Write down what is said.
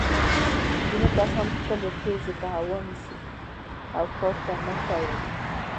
ځینې کسان خپلې پزې په هوا نیسي او کار ته نه تیارېږي.